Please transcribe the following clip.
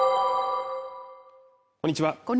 こんにちは